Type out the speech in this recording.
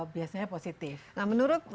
biasanya positif nah menurut